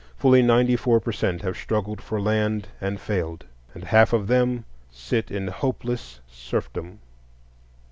Fully ninety four per cent have struggled for land and failed, and half of them sit in hopeless serfdom.